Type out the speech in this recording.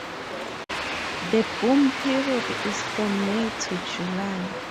The boom period is from May to July.